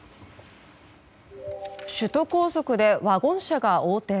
首都高速でワゴン車が横転。